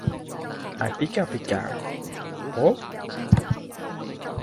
你鐘意食煎腸粉定蒸腸粉